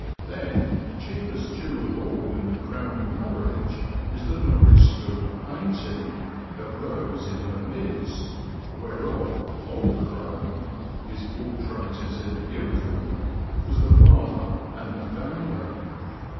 Then, chiefest jewel of all in the crown of Norwich is the Norwich school of painting that rose in her midst, whereof "old Crome" his portrait is in the Guildhall was the father and the founder.